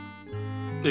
ええ。